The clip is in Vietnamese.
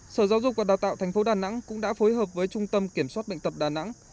sở giáo dục và đào tạo thành phố đà nẵng cũng đã phối hợp với trung tâm kiểm soát bệnh tập đà nẵng